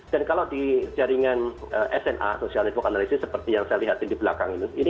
dan kalau di jaringan sna social network analysis seperti yang saya lihatin di belakang ini